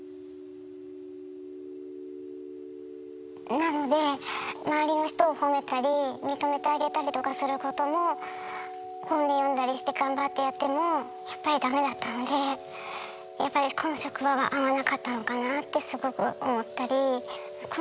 なので周りの人を褒めたり認めてあげたりとかすることも本で読んだりして頑張ってやってもやっぱり駄目だったのでやっぱりと思ってはいたんですが。